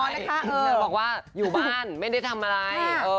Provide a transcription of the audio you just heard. เธอบอกว่าอยู่บ้านไม่ได้ทำอะไร